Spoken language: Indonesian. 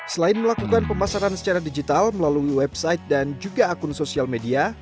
selain melakukan pemasaran secara digital melalui website dan juga akun sosial media